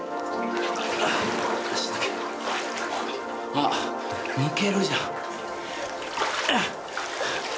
あっ抜けるじゃん。